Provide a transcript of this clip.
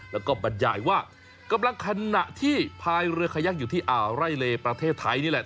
แล้วก็บรรยายว่ากำลังขณะที่พายเรือขยักอยู่ที่อ่าวไร่เลประเทศไทยนี่แหละ